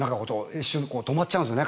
一瞬体が止まっちゃうんですよね。